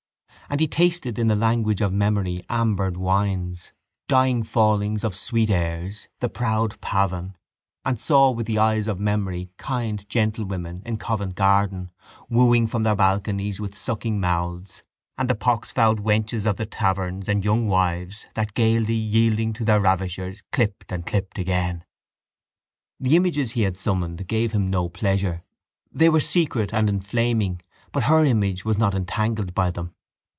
And he tasted in the language of memory ambered wines, dying fallings of sweet airs, the proud pavan, and saw with the eyes of memory kind gentlewomen in Covent Garden wooing from their balconies with sucking mouths and the poxfouled wenches of the taverns and young wives that, gaily yielding to their ravishers, clipped and clipped again. The images he had summoned gave him no pleasure. They were secret and inflaming but her image was not entangled by them.